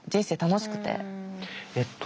えっと